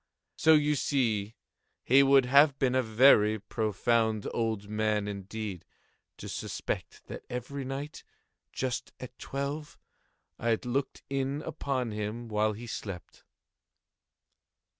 So you see he would have been a very profound old man, indeed, to suspect that every night, just at twelve, I looked in upon him while he slept.